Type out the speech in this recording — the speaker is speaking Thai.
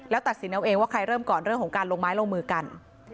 แล้วตัดสินเอาเองว่าใครเริ่มก่อนเรื่องของการลงไม้ลงมือกัน